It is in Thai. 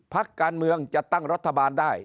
พักการเมืองจะตั้งรัฐบาลได้